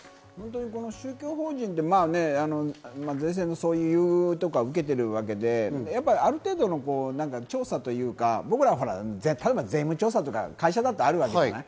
宗教法人って税制の優遇とか受けているわけで、ある程度の調査というか、僕らは税務調査とか会社だとあるわけじゃない？